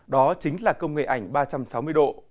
đó chính là công nghệ ảnh ba trăm sáu mươi độ